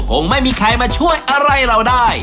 คงไม่มีใครมาช่วยอะไรเราได้